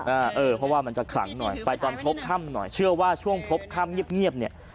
เออเพราะว่ามันจะขลังหน่อยไปตอนพบค่ำหน่อยเชื่อว่าช่วงพบค่ำเงียบเงียบเนี่ย